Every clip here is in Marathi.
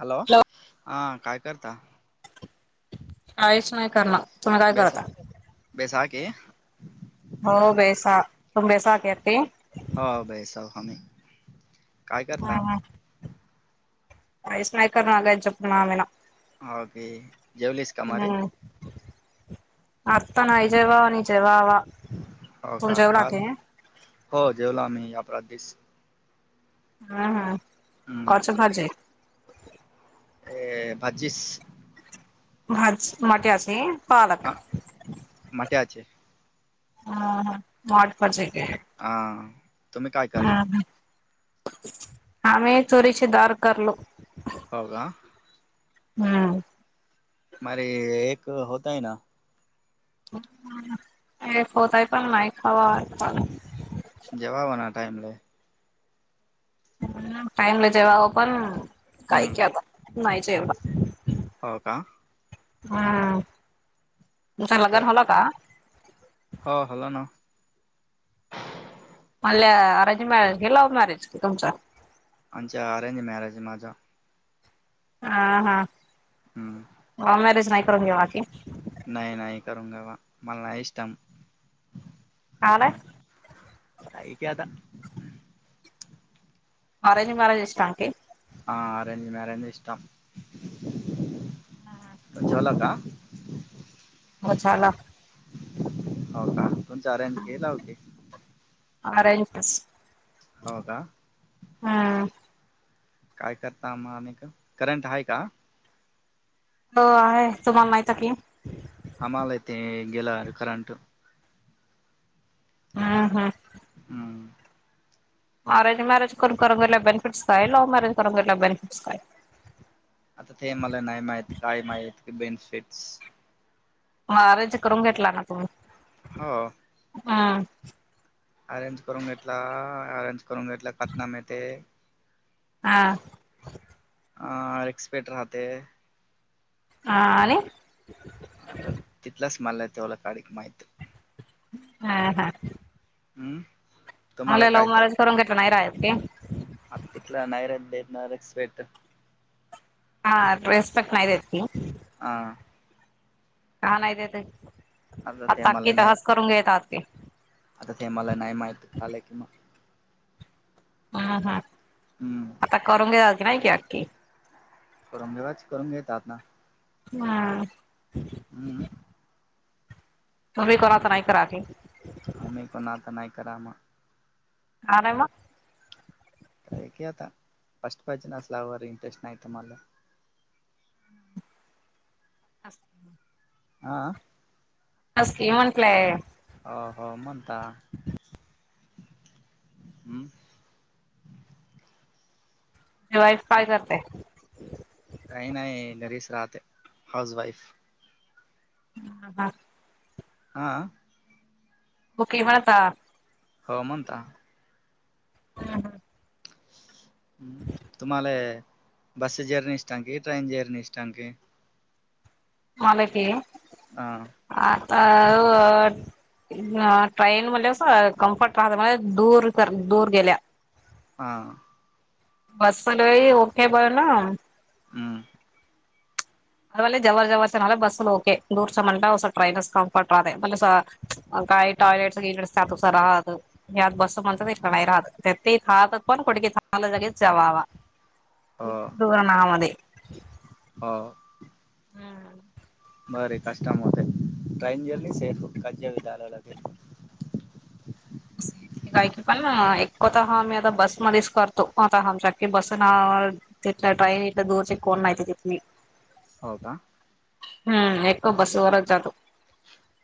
हॅलो, हा काय करता? काहीच नाही करणार. तुम्ही काय बेसा करता? बेसाके हो बेसा तुम [unintelligible] हो बेसव हामी, काय करता? हा. [unintelligible] नाही करणार त्यांच्या फोना बिना. आगे जेवलीस का मारे? हम्म [unintelligible] हो तुम्ही का, जेवला की खास हम्म हो जेवलो आम्ही आपला तीस हा हा हम्म खाचे खाचे. हे भाचीस. भाजी मोट्यासनी? आ मट्याचे. हा हा [unintelligible] आ. हा हा आम्ही तुरीची दार करलो. हो का. हम्म. मरे एक होतंय ना. हे होतय पण नाही खावा [unintelligible] जेव्हा म्हणा टाइमले. टाईमला जेवावं पण काही हम्म केला आता नाही जेवला. हो का. हम्म, तुमच लग्न खर झालं का? हो हलो ना. मल्या अरेंज मॅरेज की लव्ह मॅरेज की तुमचं? आमच्या अरेंज मॅरेज माझा. हा हा हम्म लव मॅरेज नाही करून घ्यावा की? नाही नाही करूगा घेवा. मला नाहीस टाईम. आलाय. काय ते आता अरेंज मॅरेज असताके? हं अरेंज मॅरेज [unintelligible] झोला का? हो हो छान. हो का, तुमचा अरेज की लव्हकी? [unintelligible] हो का? हम्म. काय करता अम्मा, आम्ही का करंट आहे का? हो आहे तुम्हाला माहत की. हमा्हाला य ते गेला करंट. हा हा. हम्म. अरेंज मॅरेज को करून कस काय, लो काय लव्ह मॅेज कर बनिफिटस काय? आता ते मला नाही माहित, काय माहि ते बेनिफिट्स. व्हा अरेंज करून घेतला ना तुम्ही? हो. हम. अरंज करून घेतला, अरंज करू घेतला पतनामे ते. हां. ह रक्सपेक्ट राहते. ह आणि. ह. अ तितला स्मेल तवला काडडी माहिती. हा हा. हम्म. तुम्हाला मले काय लव तर माराज करून घेट नाही रा आहेत की? आता तिकला नाहीरत देतणार स्वेटर. हा रड्रेस नावेदन आ. का नाही तेेत आता ते मला आताताकी नाही तहस करून घेतात की. आता ते मला नाही माहित कालंय किंवा. हा हा, हम्म आता करून घे की नाही कि अखकी? करून घेवाच करून घेतात ना? हम्. हम्म. तुम्ही करा तर नाही करा क? आम्ही पणआत्ता ना करा म. आर म? का की आता, फर्स्ट असलावर इंटरेस्ट नाही तम्हाला. अ [inaudible] हा. ह स्की म्हंटलंय. हो हो म्हणता, हम. जेव्हा एक पाय जा? काही नाही नरेश राहते, हाऊ ज वाईफ. हम् ह हं. हा. बके म्हणाता? हो म्हणता. हम ह. ह् तुम्हाला बस जर्नी की? मला क. हा. आता ट्रेन म अस कम्फर्ट राहत म्हज दूर तर दूर गेल्या. हां.. बस पलरी ओके बोला. हम्म. [unintelligible] काही टॉयलेट्स [unintelligible] तसंच राहतं. हो [unintelligible] ् [unintelligible] हो हम्म. [unintelligible] [inaudible] काय की पण एकव तः आम्ही आता, बस मध्येच करतोत आमच्याखे बस ना. तिला ट्रेन इल्या, दूरचे कोण तिथली. हो का. हम्म.. एको बस वर जातो.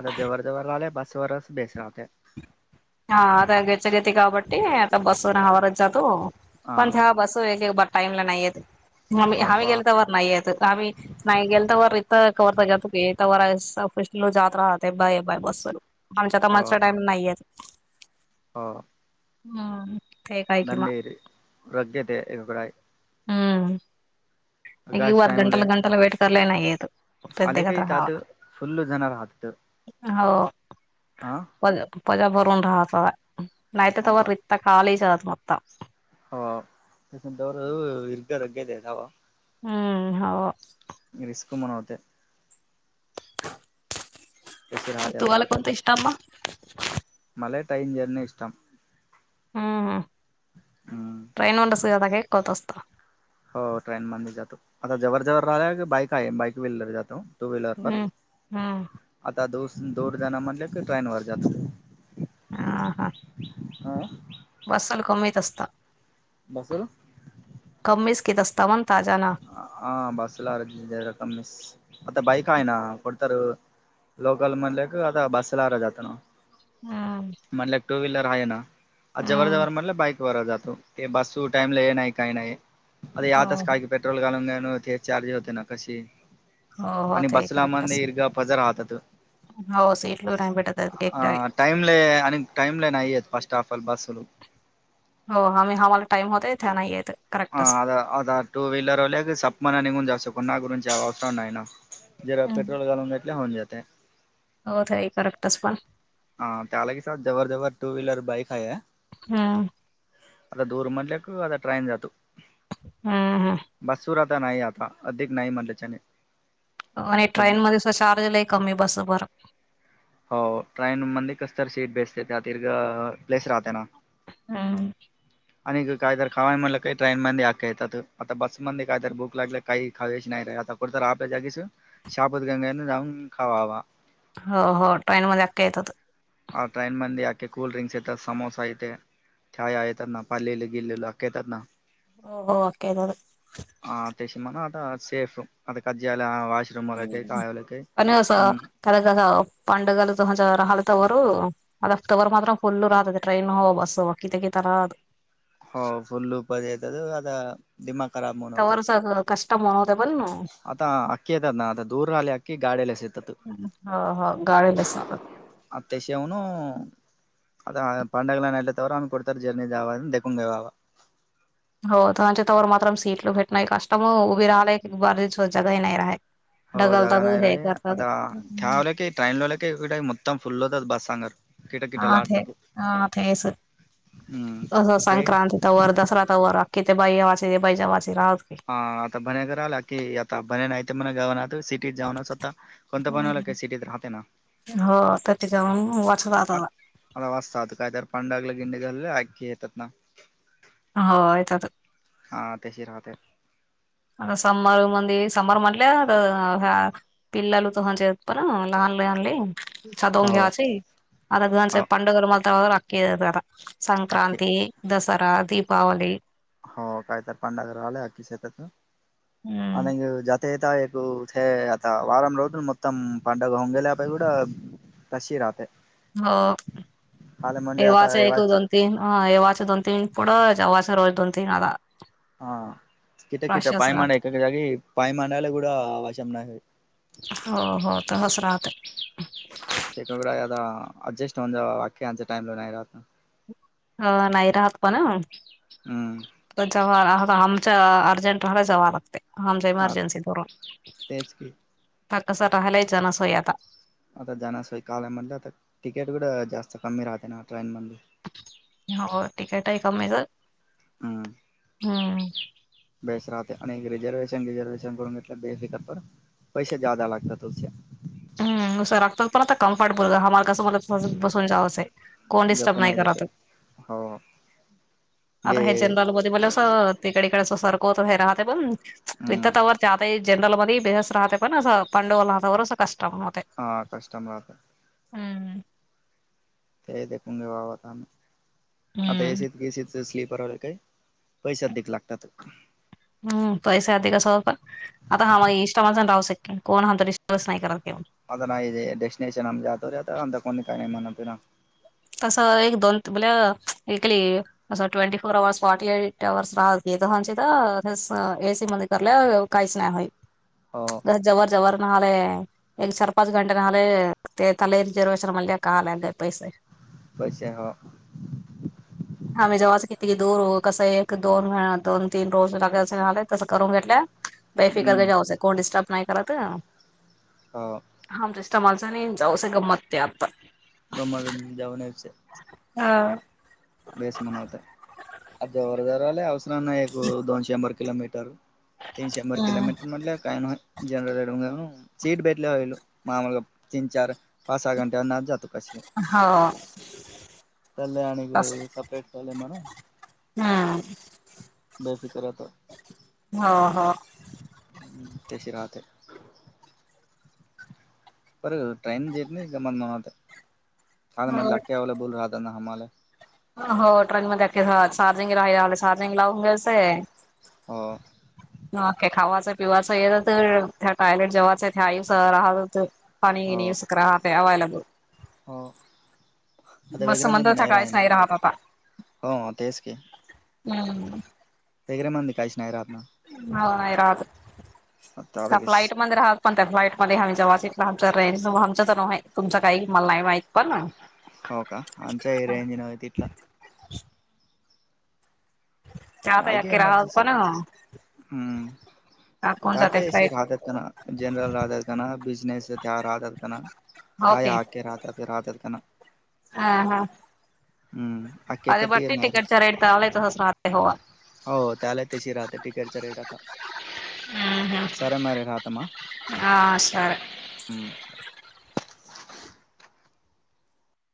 आता जवर जववर राहिले, बसवरच बेस राहते. हा.. आता गचगती, काबटी आता बस हवार जातो. हा पण तेव बस व बर टाईमला नाही येत, आम्ही अबा गेलो तरवर नाही येत आम्ही [unintelligible] आमच्या तर मजचा टाईम नाहीये. हो. हम्. [unintelligible] अभिप्राय हम्म. एक अर गटला, गटला वेट कराला‌ नाही येत. आल्या प्रत्येकात काही राहावा तत फुल्ल जाणार हात. हो. आं. वज पजा भरून राहाचा, नाही तर रित खाली [unintelligible] हो [unintelligible] हम्म हो रिस्क मनावते. तशी राहते आता तुम्हाला कोन निष्ट मा. मला ही टाईम दे, नेस्ट टाईम. हम्म.. ट्रेन [unintelligible] असत. हो ट्रेन मध्ये जातो, आता जवर जववर राहिला की, बाईक आहे बाईक व्हलर जातो. टू व्हीलरवर हम्म हम्म आता दू दूर जाण, म्हणले की ट्रेन वर जातंय. आं.. हां.. हं.. बसाल कमीत चं असतं. बसून. [unintelligible] हा बसला अर्ध रकम मिस आता बाईक आहे ना कोडतर. लोकल म्हणले क आता बसला आरा जात ना. हम्म. म्हटलं टू व्हीलर आहे ना, जवर हम्म जवर म्हटलं बाईक. जातो ब टाम नाही काही नाही, हो आच पेट्रोल घालून घेय ते, चार्ज होते ना कशी. हो हो आणि ते बसलामा करेक्ट इर्गा पजा राहतं. हो सीटलू नाही भेटत आहेत एक डावी अ.. टाईमला आणि टाइमला नाहीयेत, फर्स्ट ऑफ ऑल बसलू. हो आम्ही आम्हाला, टाईम होतोय त्या नाही येत. करेक्टच आता आता टू व्हीलर वाले सतमानाने, निघून जात असेल कुणाकडे जावत तर नाही ना. जरा पेट्रोल घालून घेतले म्हटले. ओ ताई परत बसवा. त्यालाही सात, जवळजवळ टू व्हीलर बाइक आहे. हम्म. आत्ता डोर म्हटल्या का, ड्राइंग जातो. हम हम. बच्चू आता नाही आता, अधिक नाही म्हटले चणे. आणि ट्रेनमध्ये ससावे लय कमी बसवर. ट्रेनमध्ये कसं तरी सीट बसते त्या दीर्घ लाईन्स राहते ना. हम्म. [inaudible] आणि काहीतर खावाय म्हणलं काही ट्रेन मध्ये अक् येतात. आता बसमध्ये काहीतर भूक लागलं काही खावेची नाही रे आत. कुठे तर आपल्या जागेच, शाबूत गंगेत जाऊन खावावा. हो हो ट्रेनमध्ये अख्ख्या येतंत. आ ट्रेनमध्ये अक्के कोल्ड्रिंक्स येतात समोसा येतेया. काय आहे नफा लिहिलं गेलेलं, अख्खे येतात ना. हो हो केलं रे. अ देशमना आता सेफ आता काजी आल्या आश्रमावर ते [unintelligible] हम्म. [unintelligible] हालका वरू. अ कवर मात्र फुल्ल राहतात. ट्रेन व बस व कित्येक कि रात. हो फुल्ल पाहिजे तर, दादा दिमाग खराब बनवते. कष्टमर [unintelligible] बनो. आत्ता अक्की येतात ना, आता दूर आली अक्की गाडी आली असेल तिथं. गाडी बसतात आत्ता श्रावणू. आत्ता पाणी टाकलं नाही तर तोवर, आम्ही कुठे तर झेंडे जावा आणि ढेकूण द्यावा. हो तुमचे तोवर मातरम सीट लो विथ नाईट कस्टमर [unintelligible] हो जागा नाही रे, आत्ता क्या लेके त्यांना लेके विट आय उत्तम फुल्ल बस सांग. हा ती, हा ती हम्म ते संक्रांत तोवर दसरा तोवर. किती बाय आवासे बाई जवा से रावते. आत्ता बन्या घरी आला की, आता बन्या नाहीतर मग गावना त सिटीत जाऊनच आता. हम्म हो आता ते जाऊन वाचला आत्ता. [unintelligible] साधक काय तर पंडाग लागली की निघालं ऐके येतत ना. होय येतात. हां तशी राहते. समर मध्ये, समर म्हटल्यात अं ह्या. हो हो [unintelligible] [unintelligible] अक्की संक्रांती दसरा दीपावली. हाव काय ते पंदरा राहिले की, शेतात आणि जाती. [unintelligible] कशी राहते. हो तवाच वाच [unintelligible] तीन येवाच दोन तीन पुड जवास रोज दोन तीन आला. किती किती पाय मानायला राहते एक, एके जागी पाय मानायला कुठे वचन लागते. हो हो, तहस राहतं. [unintelligible] अडजस्ट होऊन जावा बाकी आमचं टाइमला नाही राहत. हो नाही राहत पण हम्म [unintelligible] चा अर्जंट राहिले जावा लागतय आमची इमर्जन्सी करून. तेच की ह कसा राहालायचा सोय आता. आता जाण्यासोय कालमधलं, आता तिकीट कडं जास्त कमी राहते ना ट्रेन मध्ये. होय तिकीट आहे कमीच. हम्म. हम्म. बेस्ट राहते आणि एक रिझर्वेशन गिझर्वेशन करून बेफिकीर पैसे जादा लागतात वरच्या. हम्म मुसरगतो पण आता [unintelligible] कोणीच डिस्टर्ब जपून नाही व्हायचं ते करत, हो आता हेच्या. गे म्हणजे मला असं तिकड इकडे अस सरकत राहते. पण इथ हम्म तवर त्याते. जनरलमध्ये बेहस राहते पण, असं पांडुवला राहता वर असं कष्ट पण होते. हां कस्टमर. हम्. ते देखूे वा वाता आता, हम्म एसीत गसीच स्लीपर व काही. पैसे अधिक लागतात. हम्म, पैसा आधी कसा होता. आता हा मा इष्टामाण राहू शके, कोण हा आता विश्वास नाही करते. आता नाहीे डेस्टनेशन आम जातोरे आता [unintelligible] तसं एक दोन तबली एकली. असं twenty four hours forty eight hours [unintelligible] तर एसी मध्ये कराल्या. काहीच नाही होय. हो. जवर जवर महागले. एक चार पाच घंटे नले ते, तला रिजर्वेशन म काला का पैसे. पैसे ह. हा्, जेव्हाच किती दूर कसं, एक दोन दोन तीन रोज लागे अस झाले तसं करून घेतल्या. बेफिकर क हम्म जाऊचं, कोण डिस्टर्ब नाही करत. हा. हांम तस् माच नाही, जाऊस गंमत ते आता. मुंबईला जाऊन यायचंय. हा.. बेस म्हणवते जोर जवराले अवसराना एक दोन शंभर किलोमीटर. तीन शंभर हम्म किलोमीटर, मधलं काय नाही. जनरल डब् [unintelligible] ग सीट भेटले व मामूल [unintelligible] तिन चार. पाच सहा घंट्या ना जातो कसे. हो. [unintelligible] सपरेट झाले म्हणा. हम्. बेफ़िकर आता. हो हो.. हम् तशी राहते. पर टाइम जेत जमत नाही मग आता. सांग मला [unintelligible] हो अवेले बोलू राहता ना हमाला. हो ट्रेन मध्ये अखे चार्जिंग राहिला, चार्जिंग लावून घ्यायचेय. हो. खावायचं पिवायचं येत तर, त्या टॉयलेट जेयचं त्या आयु सह राहत हो. हो [unintelligible] हो. आता बस वेग्र म्हणत मध्ये त्या नाही काहीच राहायला राहत आता आहे ना हो तेच की, हम्म. वगरे मध्ये काहीच नाही राहत ना. हा. नाही राहत, आता त्या तेच. फ्लाईट मध्ये राहत. पण, त्या फ्लाईट मध्ये आम्ही ज वाचितलं आमच रें आमंच तर तुमचं काही मला नाही माहित पण, हो का? आमचा एरीया [unintelligible] नाही तिथला. त्या तर आहे एक याके राहत इमर्जसी पण हम्म.. कोण त्यात जाते एसी फ्लाईट राहते, त्यांना जनरल राहते त्यांना, बिझनेस त्या राहतेल त्यांना. काय? आके रात्र राहतेत का? ना. हां हां.. हम्म.. अख्खे आज, एक तीर बघती नाही राहत तिकीटच्या रेट चांगलयं तसंच राहते होवा. हो. त्याला तशी राहते, टिकेटचा रेट आता. हम्म हम्म सरे मर राहतामा हा सर हम्म.